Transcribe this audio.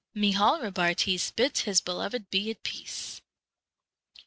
Michael Robartes bids his Beloved be AT Peace.